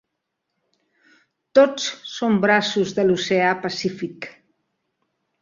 Tots són braços de l'oceà Pacífic.